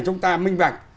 chúng ta minh bạch